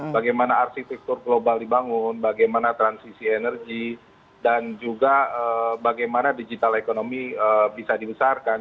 bagaimana arsitektur global dibangun bagaimana transisi energi dan juga bagaimana digital ekonomi bisa dibesarkan